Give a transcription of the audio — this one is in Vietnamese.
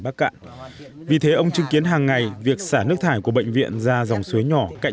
bắc cạn vì thế ông chứng kiến hàng ngày việc xả nước thải của bệnh viện ra dòng suối nhỏ cạnh